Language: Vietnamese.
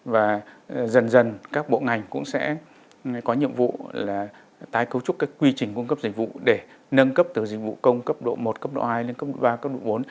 và dần dần các bộ ngành cũng sẽ có nhiệm vụ là tái cấu trúc các quy trình cung cấp dịch vụ để nâng cấp từ dịch vụ công cấp độ một cấp độ hai đến cấp độ ba cấp độ bốn